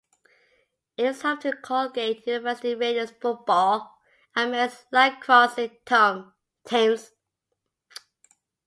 It is home to the Colgate University Raiders football and men's lacrosse teams.